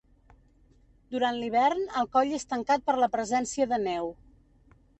Durant l'hivern el coll és tancat per la presència de neu.